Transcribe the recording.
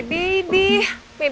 my baby lagi di mana sih